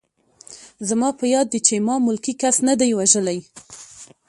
زما په یاد دي چې ما ملکي کس نه دی وژلی